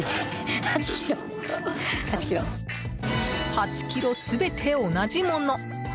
８ｋｇ全て同じもの。